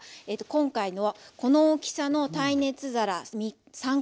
今回のはこの大きさの耐熱皿３コ分です。